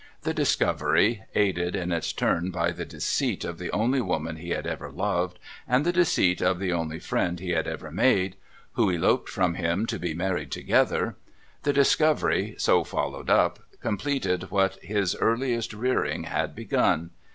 The discovery — aided in its turn by the deceit of the only woman he had ever loved, and the deceit of the only friend he had ever made : who eloped from him to be married together — the dis covery, so followed up, completed what his earliest rearing had begun.